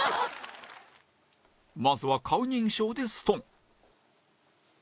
まずは顔認証でストン